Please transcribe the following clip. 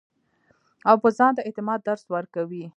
او پۀ ځان د اعتماد درس ورکوي -